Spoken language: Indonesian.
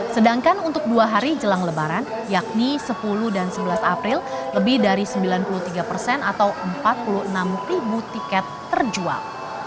sedangkan untuk dua hari jelang lebaran yakni sepuluh dan sebelas april lebih dari sembilan puluh tiga persen atau empat puluh enam ribu tiket terjual